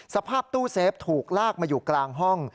สภาพตู้เซฟถูกลากมาอยู่กลางห้อง